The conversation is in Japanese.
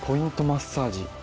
マッサージ。